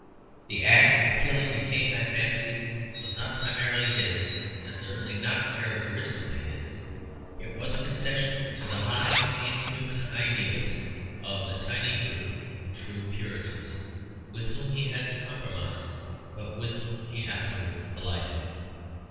The act of killing the King, I fancy, was not primarily his, and certainly not characteristically his. It was a concession to the high inhuman ideals of the tiny group of true Puritans, with whom he had to compromise but with whom he afterwards collided.